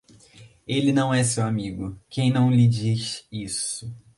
Ele não é seu amigo, quem não lhe diz isso.